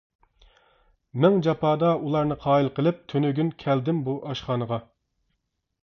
مىڭ جاپادا ئۇلارنى قايىل قىلىپ، تۈنۈگۈن كەلدىم بۇ ئاشخانىغا.